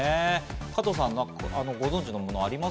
加藤さん、ご存じのものはありま